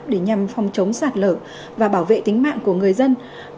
để nhằm phòng chống sạt lở và bảo vệ tính mạng của người dân